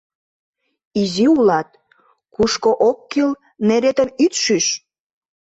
Изи улат, кушко ок кӱл — неретым ит шӱш.